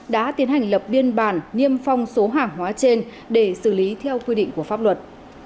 đã tiến hành lập biên bản niêm phong số hàng hóa trên để xử lý theo quy định của pháp luật